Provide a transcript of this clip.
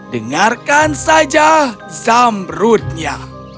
dengarkan saja zamrudnya